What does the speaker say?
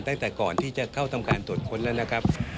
ตั้งแต่ก่อนที่จะเข้าทำการตรวจค้นแล้วนะครับ